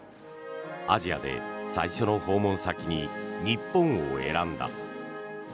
アジアで最初の訪問先に日本を選んだ。